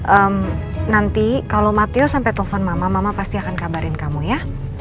ehm nanti kalau matio sampai telepon mama mama pasti akan kabarin kamu ya